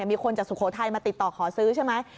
มีคนจากสุโขทัยมาติดต่อขอซื้อใช่ไหม